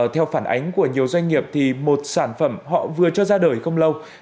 theo phản ánh của nhiều doanh nghiệp thì một sản phẩm họ vừa cho ra đời không lâu